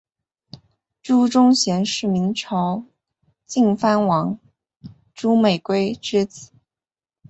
朱钟铉是明朝晋藩王朱美圭之子。